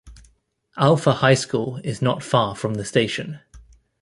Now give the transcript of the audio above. Alpha High School is not far from the station.